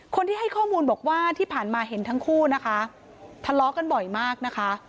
คนที่ให้ข้อมูลบอกว่าที่ผ่านมาเห็นทั้งคู่นะคะทะเลาะกันบ่อยมากนะคะ